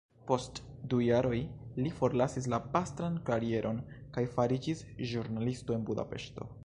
Post du jaroj li forlasis la pastran karieron, kaj fariĝis ĵurnalisto en Budapeŝto.